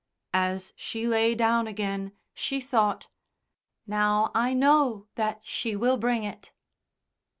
As she lay down again she thought: "Now I know that she will bring it."